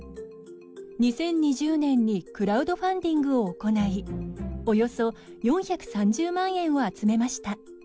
２０２０年にクラウドファンディングを行いおよそ４３０万円を集めました。